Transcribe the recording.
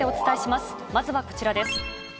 まずはこちらです。